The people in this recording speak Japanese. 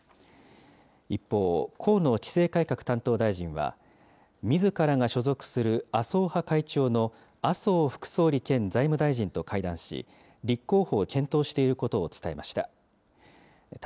一方、河野規制改革担当大臣は、みずからが所属する麻生派会長の麻生副総理兼財務大臣と会談し、立候補を検討していることを伝えました。